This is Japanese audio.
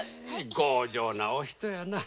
強情なお人やな。